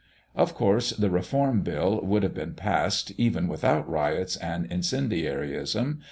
Of course the Reform Bill would have been passed, even without riots and incendiarism.